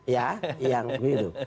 ya yang gitu